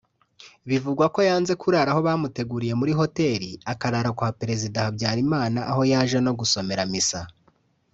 Bivugwa ko yanze kurara aho bamuteguriye muri hotel akarara kwa Perezida Habyarimana aho yaje no gusomera misa